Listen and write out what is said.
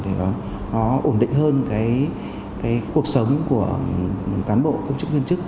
để nó ổn định hơn cái cuộc sống của cán bộ công chức viên chức